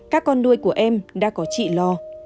các con nuôi của em đã có chị lo